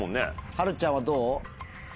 はるちゃんはどう？